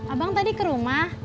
abang tadi ke rumah